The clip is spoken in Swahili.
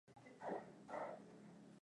mkuu wa bunge aliyafafanua mauaji ya kimbari